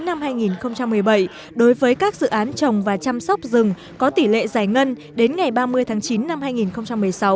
năm hai nghìn một mươi bảy đối với các dự án trồng và chăm sóc rừng có tỷ lệ giải ngân đến ngày ba mươi tháng chín năm hai nghìn một mươi sáu